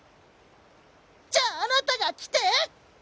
じゃああなたが来て！